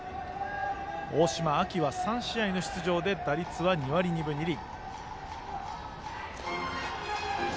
大島、秋は３試合の出場で打率は２割２分２厘。